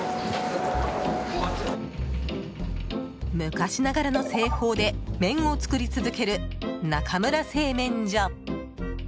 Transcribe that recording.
昔ながらの製法で麺を作り続ける、中村製麺所。